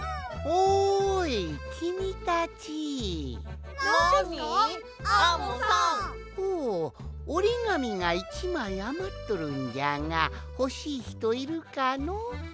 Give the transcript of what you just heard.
おおおりがみが１まいあまっとるんじゃがほしいひといるかの？